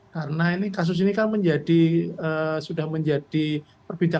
karena ini kasus ini kan menjadi sudah menjadi pertanyaan